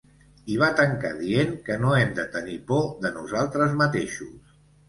I va tancar dient que «no hem de tenir por de nosaltres mateixos».